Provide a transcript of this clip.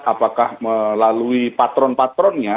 apakah melalui patron patronnya